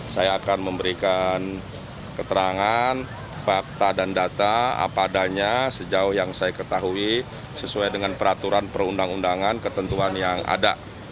saya akan memberikan keterangan fakta dan data apa adanya sejauh yang saya ketahui sesuai dengan peraturan perundang undangan ketentuan yang ada